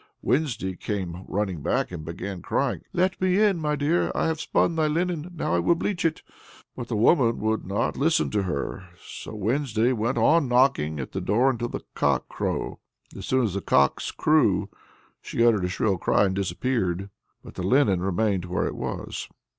Wednesday came running back, and began crying: "Let me in, my dear! I have spun thy linen; now will I bleach it." But the woman would not listen to her, so Wednesday went on knocking at the door until cock crow. As soon as the cocks crew, she uttered a shrill cry and disappeared. But the linen remained where it was.